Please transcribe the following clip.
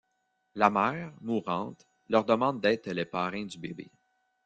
La mère, mourante, leur demande d'être les parrains du bébé.